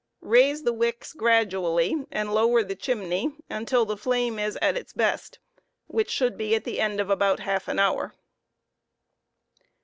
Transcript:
Baise the wicks gradually and lower the chimney uutil the flame is at its best, which should be at the end of about half an hour.